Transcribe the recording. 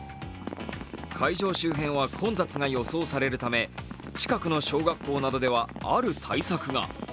会場周辺は混雑が予想されるため、近く小学校などではある対策が。